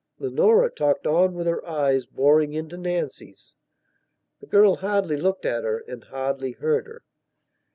Leonora talked on with her eyes boring into Nancy's. The girl hardly looked at her and hardly heard her.